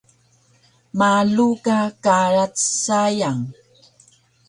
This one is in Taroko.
Malu ka karac sayang